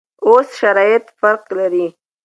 اوس شرایط فرق لري.